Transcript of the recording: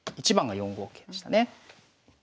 １番が４五桂でしたね。